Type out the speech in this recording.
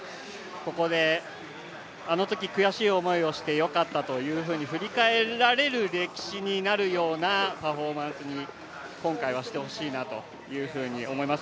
あのとき悔しい思いをしてよかったと、ここで振り返られる歴史になるようなパフォーマンスに今回はしてほしいなというふうに思います。